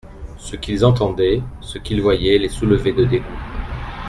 Ce qu'ils entendaient, ce qu'ils voyaient les soulevait de dégoût.